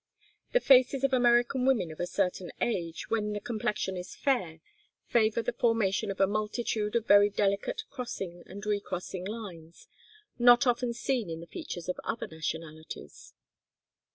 The faces of American women of a certain age, when the complexion is fair, favour the formation of a multitude of very delicate crossing and recrossing lines, not often seen in the features of other nationalities.